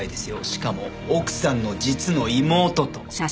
しかも奥さんの実の妹と。